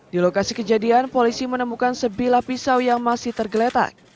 di lokasi kejadian polisi menemukan sebilah pisau yang masih tergeletak